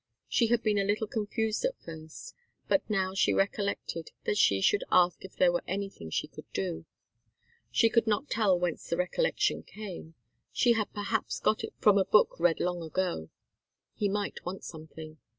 She had been a little confused at first, but now she recollected that she should ask if there were anything she could do. She could not tell whence the recollection came. She had perhaps got it from a book read long ago. He might want something.